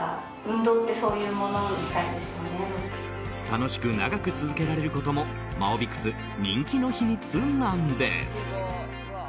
楽しく長く続けられることもマオビクス人気の秘密なんです。